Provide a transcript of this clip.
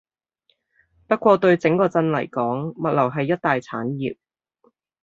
不過對整個鎮嚟講，物流係一大產業